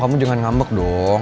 kamu jangan ngambek dong